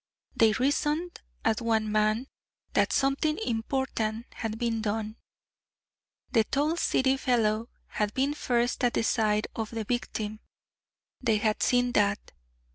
They reasoned as one man that something important had been done. The tall city fellow had been first at the side of the victim; they had seen that.